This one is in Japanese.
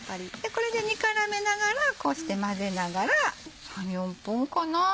これで煮絡めながらこうして混ぜながら３４分かな。